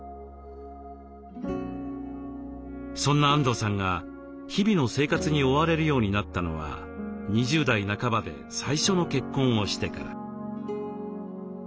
そんなあんどうさんが日々の生活に追われるようになったのは２０代半ばで最初の結婚をしてから。